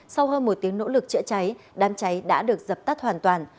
sau hơn một tiếng nỗ lực chữa cháy đám cháy đã được dập tắt hoàn toàn